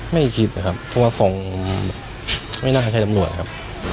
ไม่คิดนะครับเพราะว่าฟองไม่น่าใช่ตำรวจครับ